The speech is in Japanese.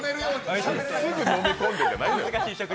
すぐ飲み込んでじゃないのよ。